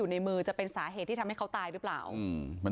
ตอนนี้กำลังจะโดดเนี่ยตอนนี้กำลังจะโดดเนี่ย